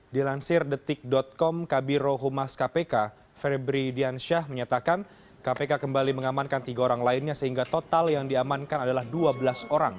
dilansir detik com kabiro humas kpk febri diansyah menyatakan kpk kembali mengamankan tiga orang lainnya sehingga total yang diamankan adalah dua belas orang